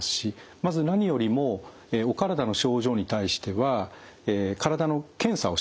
まず何よりもお体の症状に対しては体の検査をしてもらうことは大事ですね。